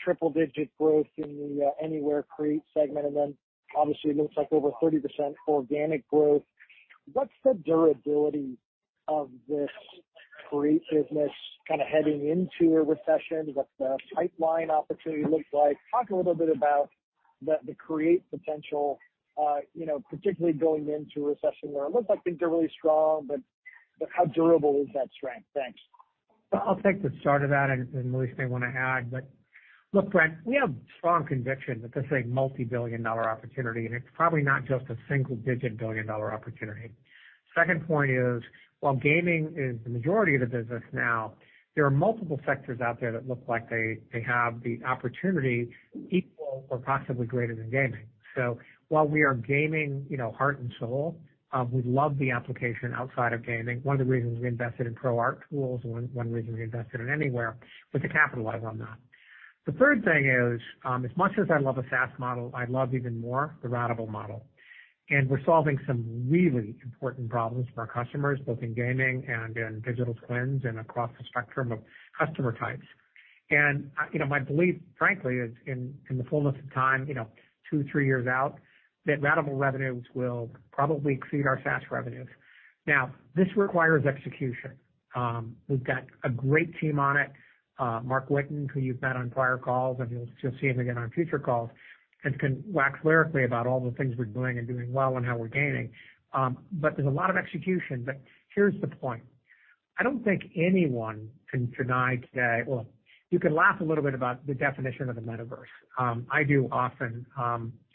triple-digit growth in the Anywhere Create segment, and then obviously it looks like over 30% organic growth. What's the durability of this Create business heading into a recession? What's the pipeline opportunity look like? Talk a little bit about the Create potential, you know, particularly going into a recession where it looks like things are really strong, but how durable is that strength? Thanks. I'll take the start of that and Luis may want to add, but look, Brent, we have strong conviction that this is a multi-billion-dollar opportunity, and it's probably not just a single-digit billion-dollar opportunity. Second point is, while gaming is the majority of the business now, there are multiple sectors out there that look like they have the opportunity equal or possibly greater than gaming. While we are gaming, you know, heart and soul, we love the application outside of gaming. One of the reasons we invested in Pro Art tools, one reason we invested in Anywhere was to capitalize on that. The third thing is, as much as I love a SaaS model, I love even more the ratable model. We're solving some really important problems for our customers, both in gaming and in Digital Twins and across the spectrum of customer types. You know, my belief frankly is in the fullness of time, you know, two, three years out, that ratable revenues will probably exceed our SaaS revenues. Now, this requires execution. We've got a great team on it. Marc Whitten, who you've met on prior calls, and you'll see him again on future calls, and can wax lyrically about all the things we're doing and doing well and how we're gaining. But there's a lot of execution. But here's the point. I don't think anyone can deny today. Well, you could laugh a little bit about the definition of a metaverse. I do often,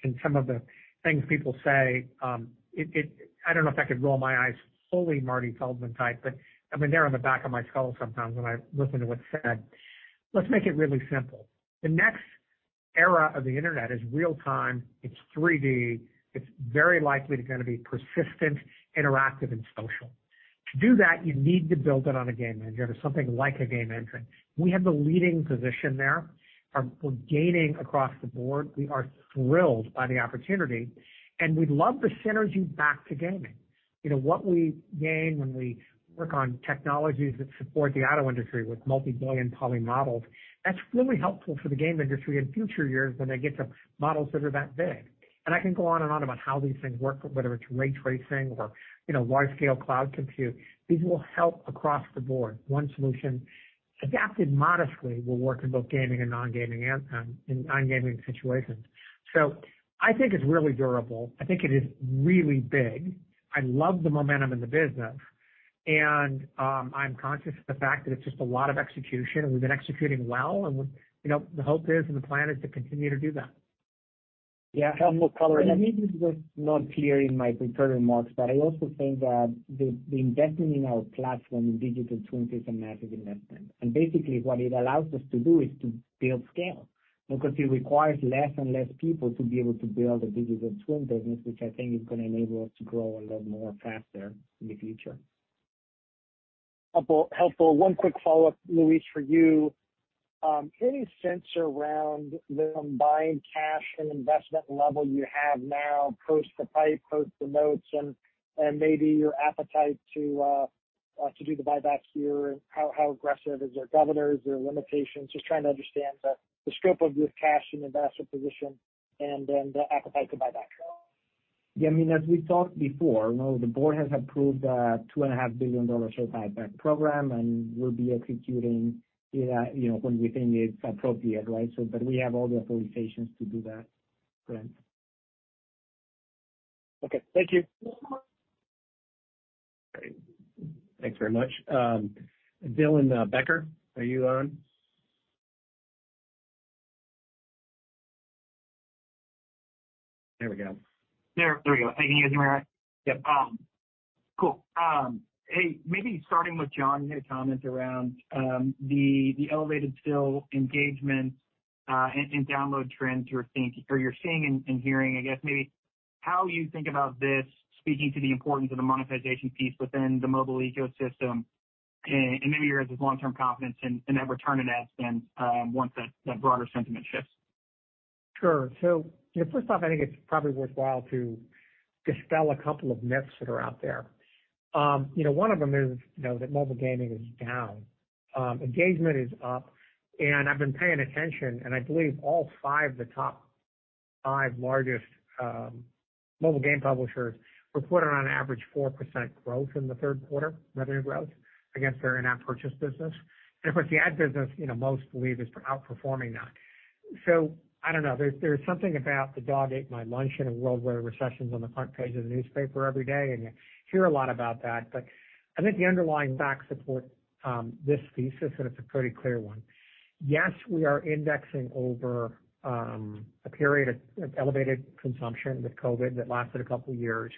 in some of the things people say, I don't know if I could roll my eyes fully Marty Feldman type, but I mean, they're on the back of my skull sometimes when I listen to what's said. Let's make it really simple. The next era of the internet is real time, it's 3D, it's very likely gonna be persistent, interactive, and social. To do that, you need to build it on a game engine or something like a game engine. We have the leading position there. We're gaining across the board. We are thrilled by the opportunity, and we'd love the synergy back to gaming. You know, what we gain when we work on technologies that support the auto industry with multi-billion poly models, that's really helpful for the game industry in future years when they get to models that are that big. I can go on and on about how these things work, whether it's ray tracing or, you know, wide-scale cloud compute. These will help across the board. One solution adapted modestly will work in both gaming and non-gaming apps, in non-gaming situations. I think it's really durable. I think it is really big. I love the momentum in the business, and, I'm conscious of the fact that it's just a lot of execution, and we've been executing well. We're, you know, the hope is and the plan is to continue to do that. Yeah. Maybe this was not clear in my prepared remarks, but I also think that the investing in our platform in Digital Twins is a massive investment. Basically, what it allows us to do is to build scale because it requires less and less people to be able to build a Digital Twin business, which I think is gonna enable us to grow a lot more faster in the future. Helpful. One quick follow-up, Luis, for you. Any sense around the combined cash and investment level you have now post the PIPE, post the notes and maybe your appetite to do the buyback here? How aggressive is your governance, your limitations? Just trying to understand the scope of your cash and investment position and then the appetite to buy back. Yeah. I mean, as we talked before, you know, the board has approved a $2.5 billion share buyback program, and we'll be executing, you know, when we think it's appropriate, right? But we have all the authorizations to do that, Brent Thill. Okay. Thank you. Great. Thanks very much. Dylan Becker, are you on? There we go. There, there we go. Can you guys hear me all right? Yep. Cool. Hey, maybe starting with John, you had a comment around the elevated, still engagement and download trends you're seeing and hearing, I guess maybe how you think about this speaking to the importance of the monetization piece within the mobile ecosystem and maybe your long-term confidence in that return on ad spend once that broader sentiment shifts? Sure. You know, first off, I think it's probably worthwhile to dispel a couple of myths that are out there. You know, one of them is, you know, that mobile gaming is down. Engagement is up, and I've been paying attention, and I believe all five of the top five largest mobile game publishers reported on average 4% growth in the third quarter, revenue growth against their in-app purchase business. Of course, the ad business, you know, most believe is outperforming that. I don't know. There's something about the dog ate my lunch in a world where recession's on the front page of the newspaper every day, and you hear a lot about that. I think the underlying facts support this thesis, and it's a pretty clear one. Yes, we are indexing over a period of elevated consumption with COVID that lasted a couple years.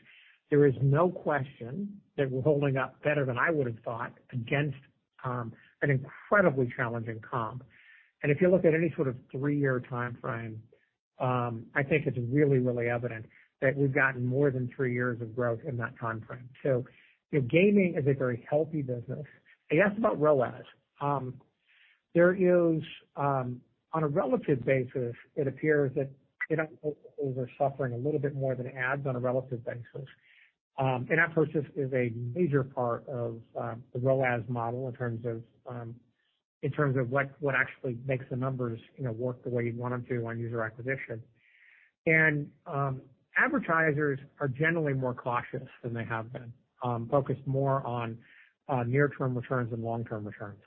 There is no question that we're holding up better than I would've thought against an incredibly challenging comp. If you look at any sort of three-year timeframe, I think it's really evident that we've gotten more than three years of growth in that timeframe. You know, gaming is a very healthy business. I asked about ROAS. There is, on a relative basis, it appears that, you know, ROAS are suffering a little bit more than ads on a relative basis. In-app purchase is a major part of the ROAS model in terms of what actually makes the numbers, you know, work the way you want them to on user acquisition. Advertisers are generally more cautious than they have been, focused more on near-term returns than long-term returns.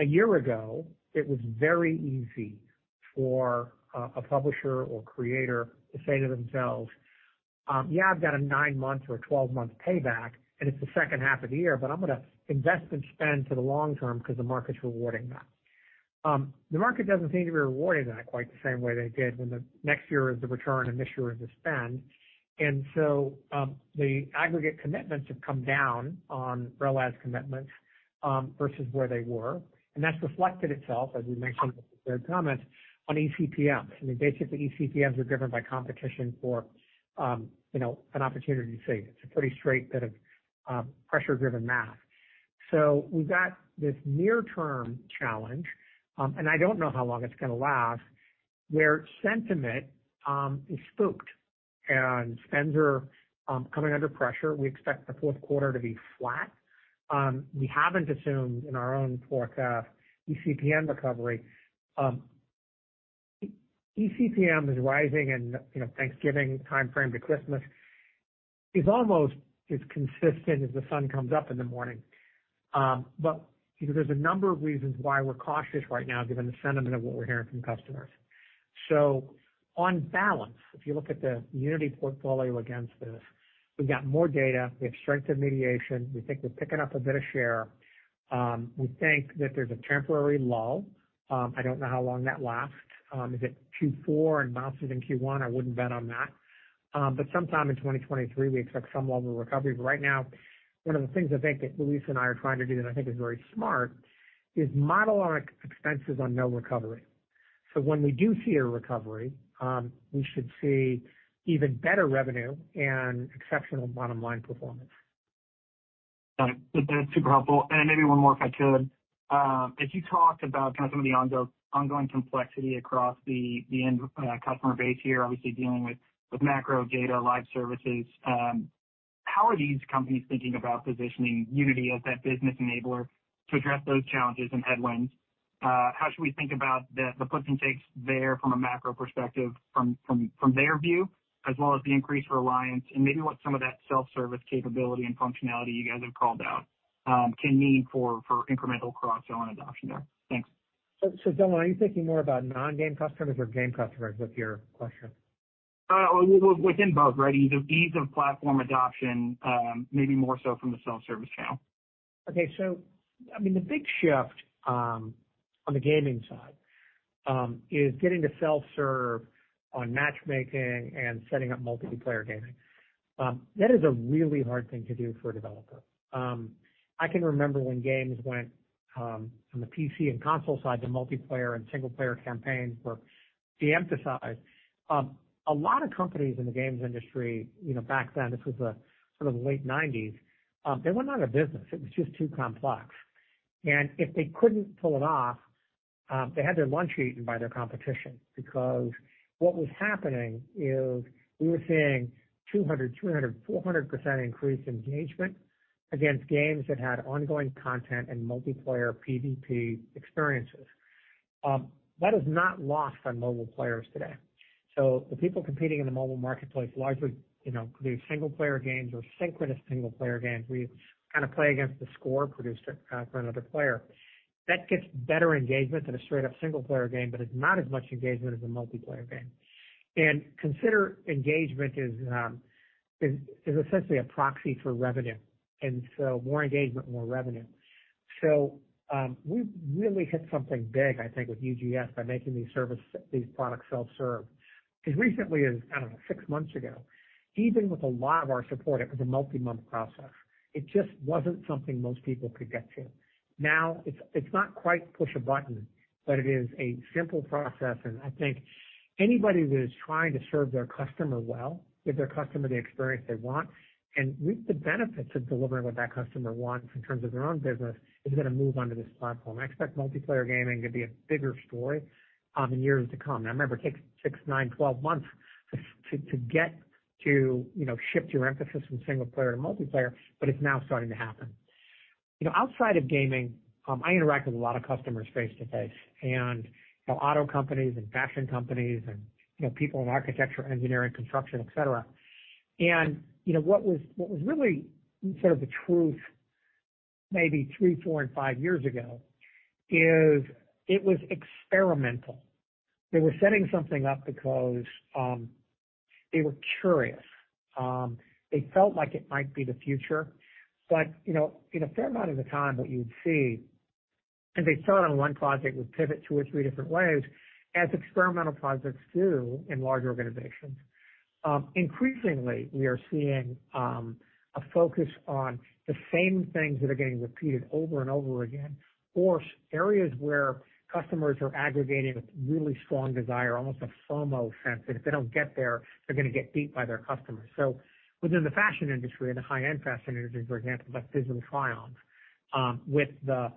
A year ago, it was very easy for a publisher or creator to say to themselves, "Yeah, I've got a nine-month or a 12-month payback, and it's the second half of the year, but I'm gonna invest and spend for the long term because the market's rewarding that." The market doesn't seem to be rewarding that quite the same way they did when the next year is the return and this year is the spend. The aggregate commitments have come down on ROAS commitments versus where they were. That's reflected itself, as we mentioned in the prepared comments, on eCPM. I mean, basically, eCPM are driven by competition for, you know, an opportunity to save. It's a pretty straight bit of pressure-driven math. We've got this near-term challenge, and I don't know how long it's gonna last, where sentiment is spooked and spends are coming under pressure. We expect the fourth quarter to be flat. We haven't assumed in our own forecast eCPM recovery. eCPM is rising and, you know, Thanksgiving timeframe to Christmas is almost as consistent as the sun comes up in the morning. You know, there's a number of reasons why we're cautious right now given the sentiment of what we're hearing from customers. On balance, if you look at the Unity portfolio against this, we've got more data. We have strength in mediation. We think we're picking up a bit of share. We think that there's a temporary lull. I don't know how long that lasts. Is it Q4 and bounces in Q1? I wouldn't bet on that. Sometime in 2023 we expect some level of recovery. Right now, one of the things I think that Luis and I are trying to do that I think is very smart is model our expenses on no recovery. When we do see a recovery, we should see even better revenue and exceptional bottom-line performance. Got it. That's super helpful. Maybe one more if I could. As you talked about kind of some of the ongoing complexity across the end customer base here, obviously dealing with macro data, live services, how are these companies thinking about positioning Unity as that business enabler to address those challenges and headwinds? How should we think about the puts and takes there from a macro perspective from their view as well as the increased reliance and maybe what some of that self-service capability and functionality you guys have called out can mean for incremental cross-sell and adoption there? Thanks. Dylan, are you thinking more about non-game customers or game customers with your question? Within both, right? Either ease of platform adoption, maybe more so from the self-service channel. Okay. I mean, the big shift on the gaming side is getting to self-serve on matchmaking and setting up multiplayer gaming. That is a really hard thing to do for a developer. I can remember when games went from the PC and console side to multiplayer and single-player campaigns were de-emphasized. A lot of companies in the games industry, you know, back then, this was the sort of the late 1990s, they went out of business. It was just too complex. If they couldn't pull it off, they had their lunch eaten by their competition because what was happening is we were seeing 200%-400% increase engagement against games that had ongoing content and multiplayer PVP experiences. That is not lost on mobile players today. The people competing in the mobile marketplace largely, you know, produce single-player games or synchronous single-player games where you kind of play against the score produced for another player. That gets better engagement than a straight-up single-player game but is not as much engagement as a multiplayer game. Consider engagement is essentially a proxy for revenue. More engagement, more revenue. We really hit something big, I think with UGS by making these products self-serve. As recently as, I don't know, six months ago, even with a lot of our support, it was a multi-month process. It just wasn't something most people could get to. Now, it's not quite push a button, but it is a simple process. I think anybody that is trying to serve their customer well, give their customer the experience they want, and reap the benefits of delivering what that customer wants in terms of their own business, is going to move onto this platform. I expect multiplayer gaming to be a bigger story in years to come. Now remember it takes six, nine, 12 months to get to, you know, shift your emphasis from single player to multiplayer, but it's now starting to happen. You know, outside of gaming, I interact with a lot of customers face to face and, you know, auto companies and fashion companies and, you know, people in architecture, engineering, construction, et cetera. You know, what was really sort of the truth maybe three, four and five years ago is it was experimental. They were setting something up because they were curious. They felt like it might be the future. You know, in a fair amount of the time what you would see, and they start on one project, would pivot two or three different ways as experimental projects do in large organizations. Increasingly we are seeing a focus on the same things that are getting repeated over and over again. Areas where customers are aggregating with really strong desire, almost a FOMO sense that if they don't get there, they're going to get beat by their customers. Within the fashion industry or the high-end fashion industry, for example, like Digital Twins, with the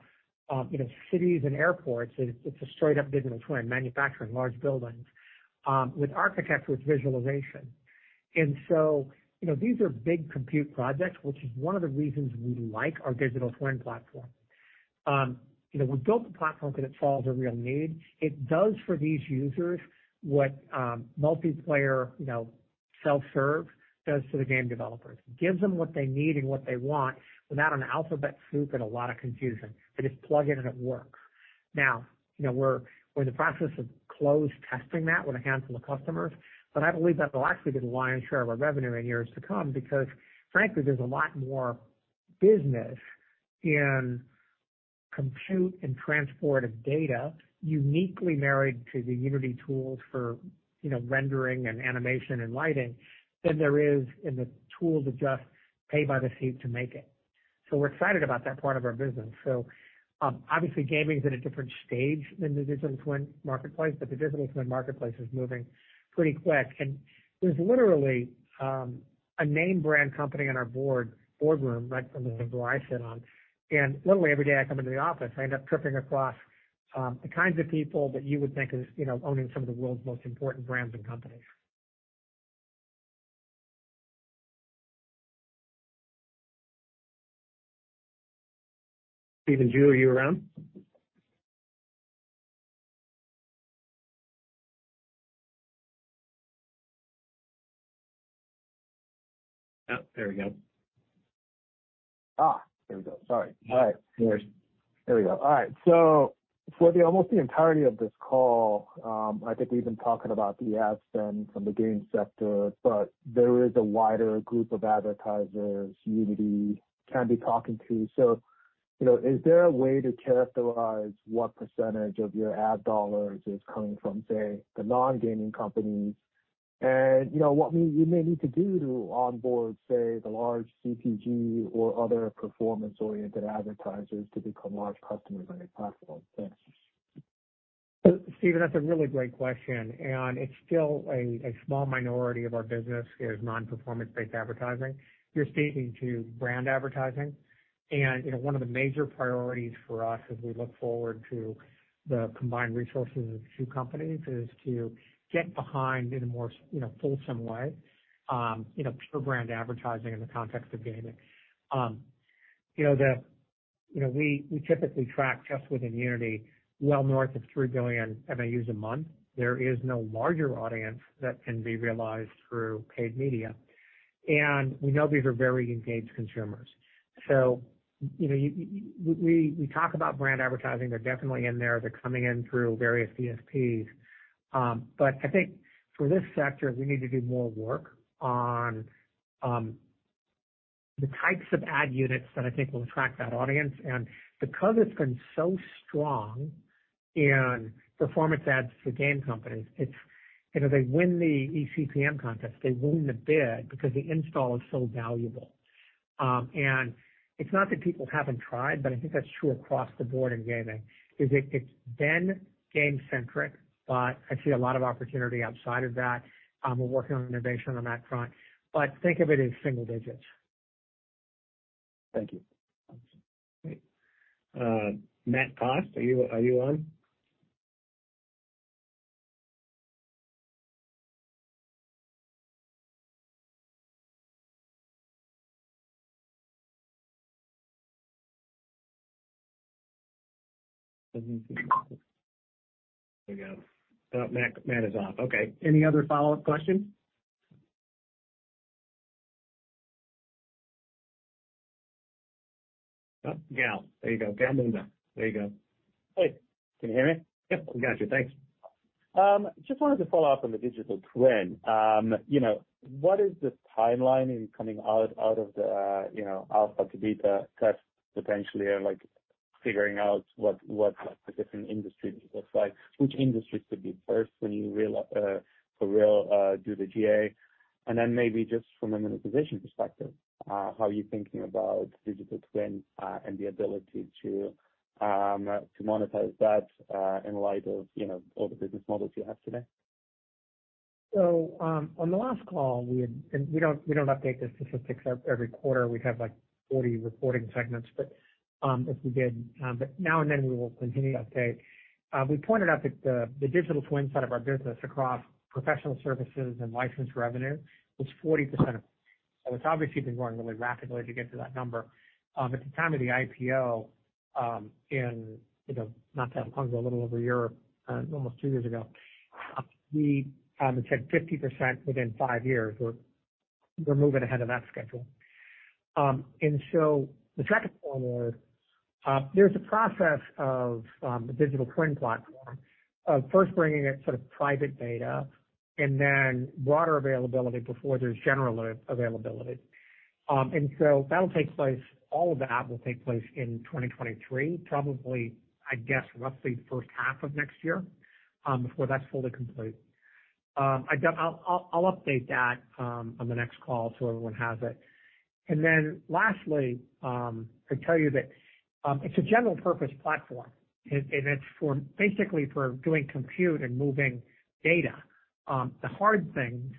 you know, cities and airports, it's a straight up Digital Twin manufacturing large buildings, with architects, with visualization. You know, these are big compute projects, which is one of the reasons we like our Digital Twin platform. You know, we built the platform because it solves a real need. It does for these users what Multiplay self-serve does to the game developers. Gives them what they need and what they want without an alphabet soup and a lot of confusion. They just plug in and it works. Now, you know, we're in the process of closed testing that with a handful of customers, but I believe that'll actually be the lion's share of our revenue in years to come because frankly, there's a lot more business in compute and transport of data uniquely married to the Unity tools for, you know, rendering and animation and lighting than there is in the tools of just pay by the seat to make it. We're excited about that part of our business. Obviously gaming's at a different stage than the Digital Twin marketplace, but the Digital Twin marketplace is moving pretty quick and there's literally a name brand company on our boardroom right from the table I sit on. Literally every day I come into the office, I end up tripping across the kinds of people that you would think is, you know, owning some of the world's most important brands and companies. Stephen Ju, are you around? Oh, there we go. For almost the entirety of this call, I think we've been talking about the ad spend from the game sector, but there is a wider group of advertisers Unity can be talking to. You know, is there a way to characterize what percentage of your ad dollars is coming from, say, the non-gaming companies? And you know, what you may need to do to onboard, say, the large CPG or other performance-oriented advertisers to become large customers on your platform? Thanks. Stephen, that's a really great question, and it's still a small minority of our business is non-performance based advertising. You're speaking to brand advertising and, you know, one of the major priorities for us as we look forward to the combined resources of two companies is to get behind in a more, you know, fulsome way, you know, pure brand advertising in the context of gaming. You know, we typically track just within Unity, well north of 3 billion MAU a month. There is no larger audience that can be realized through paid media. We know these are very engaged consumers. You know, we talk about brand advertising. They're definitely in there. They're coming in through various DSP. I think for this sector, we need to do more work on the types of ad units that I think will attract that audience. Because it's been so strong in performance ads for game companies, it's you know, they win the eCPM contest, they win the bid because the install is so valuable. It's not that people haven't tried, but I think that's true across the board in gaming, is it's been game centric. I see a lot of opportunity outside of that. We're working on innovation on that front, but think of it in single digits. Thank you. Great. Matt Cost, are you on? There we go. No, Matt is off. Okay. Any other follow-up questions? Oh, Gal. There you go. Gal Munda. There you go. Hey, can you hear me? Yep, Thanks. Just wanted to follow up on the Digital Twin. You know, what is the timeline in coming out of the you know alpha to beta test potentially, and like, figuring out what like the different industry looks like? Which industry could be first when you for real do the GA? And then maybe just from a monetization perspective, how are you thinking about Digital Twin, and the ability to to monetize that, in light of, you know, all the business models you have today? On the last call we don't update the statistics every quarter. We'd have like 40 reporting segments, but if we did, now and then we will continue to update. We pointed out that the Digital Twin side of our business across professional services and license revenue was 40%. It's obviously been growing really rapidly to get to that number. At the time of the IPO, in you know not that long ago, a little over a year, almost two years ago, we had said 50% within five years. We're moving ahead of that schedule. The second point was, there's a process of the Digital Twin platform of first bringing it sort of private beta and then broader availability before there's general availability. All of that will take place in 2023, probably, I guess, roughly the first half of next year, before that's fully complete. I'll update that on the next call so everyone has it. Lastly, to tell you that it's a general purpose platform and it's for basically doing compute and moving data, the hard things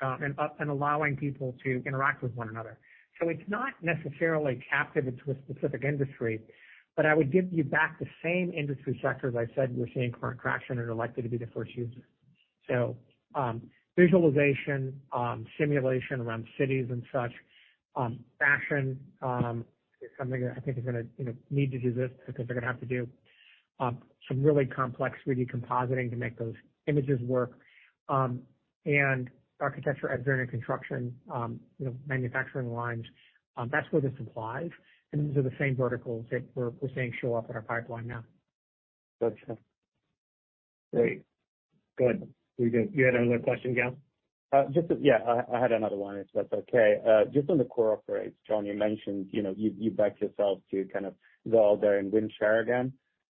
and allowing people to interact with one another. It's not necessarily captive into a specific industry, but I would give you back the same industry sectors I said we're seeing current traction and are likely to be the first users. Visualization, simulation around cities and such. Fashion is something that I think is gonna, you know, need to do this because they're gonna have to do some really complex 3D compositing to make those images work. Architecture, engineering, construction, you know, manufacturing lines, that's where this applies. These are the same verticals that we're seeing show up in our pipeline now. Gotcha. Great. Go ahead. You had another question, Gal? Just, yeah, I had another one, if that's okay. Just on the core Operate, John, you mentioned, you know, you backed yourself to kind of go out there and win share again.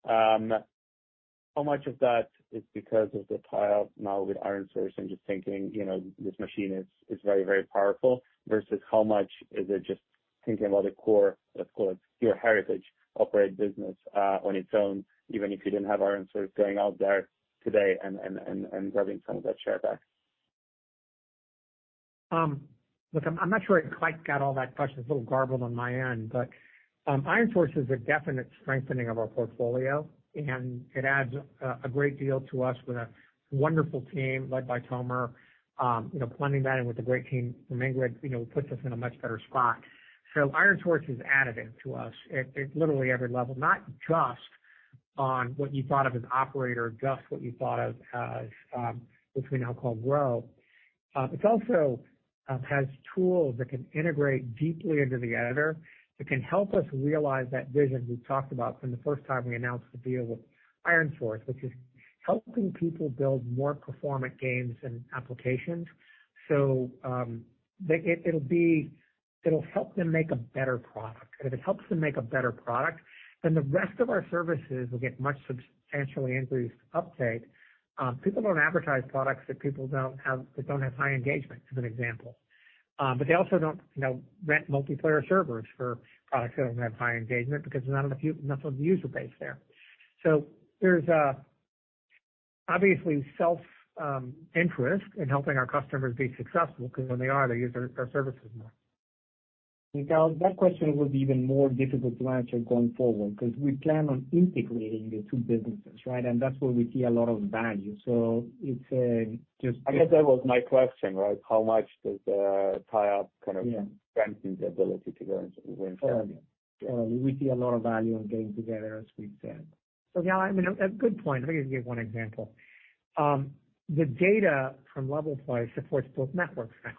How much of that is because of the tie-up now with ironSource and just thinking, you know, this machine is very, very powerful? Versus how much is it just thinking about the core, let's call it your heritage Operate business, on its own, even if you didn't have ironSource going out there today and grabbing some of that share back? Look, I'm not sure I quite got all that question. It's a little garbled on my end, but ironSource is a definite strengthening of our portfolio, and it adds a great deal to us with a wonderful team led by Tomer. You know, blending that in with a great team from Grid, you know, puts us in a much better spot. ironSource is additive to us at literally every level, not just on what you thought of as Operate, just what you thought of as, which we now call Grow. It also has tools that can integrate deeply into the editor that can help us realize that vision we talked about from the first time we announced the deal with ironSource, which is helping people build more performant games and applications. It'll help them make a better product. If it helps them make a better product, then the rest of our services will get much substantially increased uptake. People don't advertise products that don't have high engagement, as an example. They also don't, you know, rent multiplayer servers for products that don't have high engagement because there's not enough of a user base there. There's obviously self-interest in helping our customers be successful because when they are, they use our services more. Gal, that question will be even more difficult to answer going forward because we plan on integrating the two businesses, right? That's where we see a lot of value. It's just- I guess that was my question, right? How much does the tie-up kind of? Yeah. strengthen the ability to go and win share? We see a lot of value in getting together, as we've said. Gal, I mean, a good point. The data from LevelPlay supports both networks now.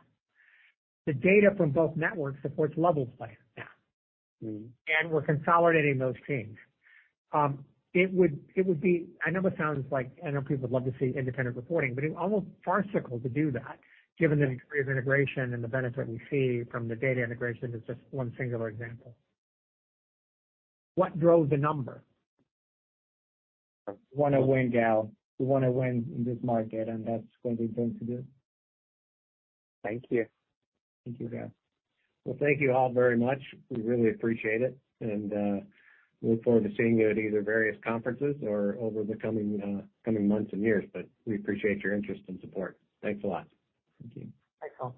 The data from both networks supports LevelPlay now. Mm-hmm. We're consolidating those teams. It would be. I know it sounds like people would love to see independent reporting, but it's almost farcical to do that given the degree of integration and the benefit we see from the data integration as just one singular example. What drove the number? We wanna win, Gal. We wanna win in this market, and that's going to drive the deal. Thank you. Thank you, Gal. Well, thank you all very much. We really appreciate it, and look forward to seeing you at either various conferences or over the coming months and years. We appreciate your interest and support. Thanks a lot. Thank you. Thanks, all.